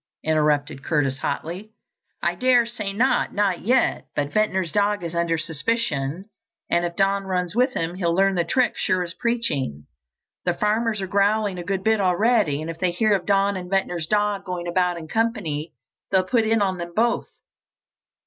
interrupted Curtis hotly. "I daresay not, not yet. But Ventnor's dog is under suspicion, and if Don runs with him he'll learn the trick sure as preaching. The farmers are growling a good bit already, and if they hear of Don and Ventnor's dog going about in company, they'll put it on them both.